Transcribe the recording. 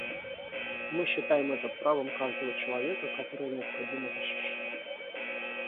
Мы считаем это правом каждого человека, которое необходимо защищать.